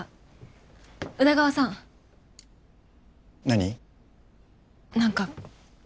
何か。